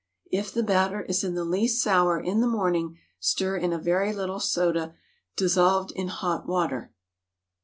If the batter is in the least sour in the morning, stir in a very little soda dissolved in hot water.